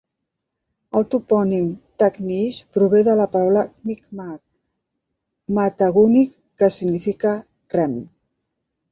El topònim "Tignish" prové de la paraula micmac "Mtagunich", que significa "rem".